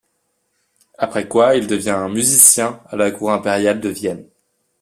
Après quoi, il devient musicien à la cour impériale de Vienne.